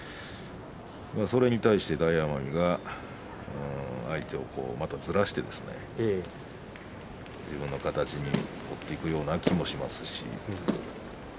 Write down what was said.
それに対して大奄美が相手をずらして自分の形に持っていくような気もします。